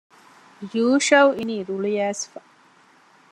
ޔޫޝައު އިނީ ރުޅިއައިސްފަ